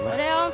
udah deh om